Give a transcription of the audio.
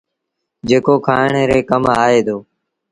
جيڪو کآڻ ري ڪم آئي دو۔